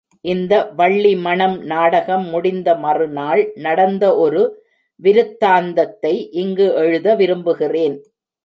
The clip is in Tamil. இந்த வள்ளி மணம் நாடகம் முடிந்த மறுநாள் நடந்த ஒரு விருத்தாந்தத்தை இங்கு எழுத விரும்புகிறேன்.